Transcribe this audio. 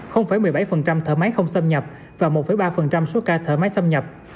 một mươi bảy thở máy không xâm nhập và một ba số ca thở máy xâm nhập